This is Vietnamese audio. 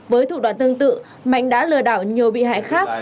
với thủ đoạn tương tự mạnh đã lừa đảo nhiều bị hại khác